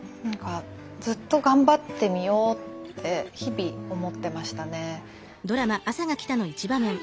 ずっと頑張ってみようって日々思ってましたね。